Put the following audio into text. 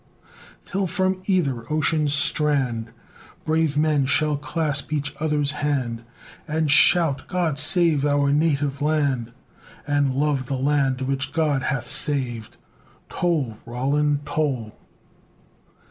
till from either ocean's strand, Brave men shall clasp each other's hand, And shout, "God save our native land!" And love the land which God hath saved! Toll! Roland, toll!